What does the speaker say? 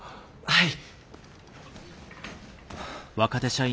はい。